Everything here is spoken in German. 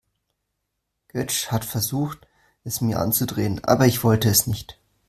Götsch hat versucht, es mir anzudrehen, aber ich wollte es nicht.